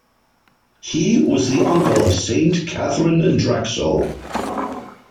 He was the uncle of Saint Katharine Drexel.